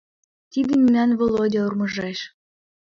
— Тиде мемнан Володя урмыжеш